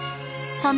その